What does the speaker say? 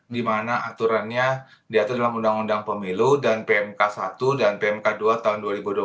dimana aturannya diatur dalam undang undang pemilu dan pmk satu dan pmk dua tahun dua ribu dua puluh